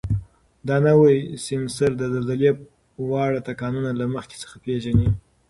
دا نوی سینسر د زلزلې واړه ټکانونه له مخکې څخه پېژني.